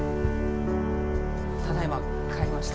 ただいま帰りました。